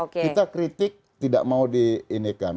kita kritik tidak mau diinikan